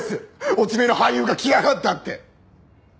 落ち目の俳優が来やがったって。